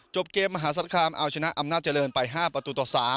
เกมมหาศาลคามเอาชนะอำนาจเจริญไป๕ประตูต่อ๓